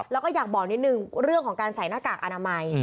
แล้วก็อยากบอกนิดนึงเรื่องของการใส่หน้ากากอนามัย